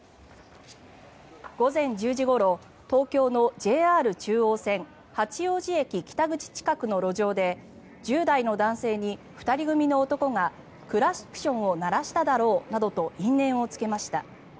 午前１０時ごろ東京のＪＲ中央線八王子駅北口近くの路上で１０代の男性に２人組の男がクラクションを鳴らしただろうなどと因縁をつけました。